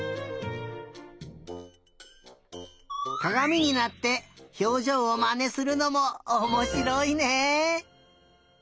かがみになってひょうじょうをまねするのもおもしろいね！